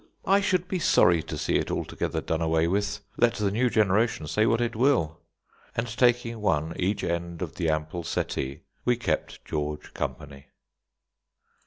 I should be sorry to see it altogether done away with, let the new generation say what it will." And taking one each end of the ample settee, we kept George company.